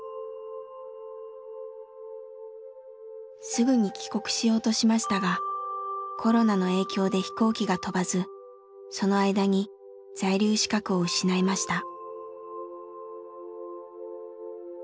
すぐに帰国しようとしましたがコロナの影響で飛行機が飛ばずその間に在留資格を失いました。